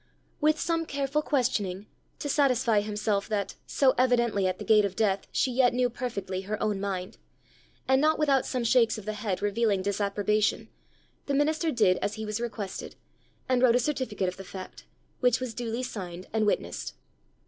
With some careful questioning, to satisfy himself that, so evidently at the gate of death she yet knew perfectly her own mind, and not without some shakes of the head revealing disapprobation, the minister did as he was requested, and wrote a certificate of the fact, which was duly signed and witnessed.